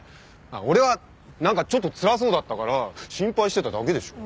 俺は何かちょっとつらそうだったから心配してただけでしょ。